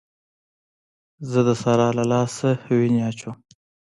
زه د سارا له لاسه وينې اچوم.